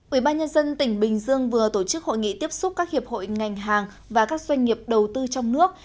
ubnd tỉnh bình dương vừa tổ chức hội nghị tiếp xúc các hiệp hội ngành hàng và các doanh nghiệp đầu tư trong nước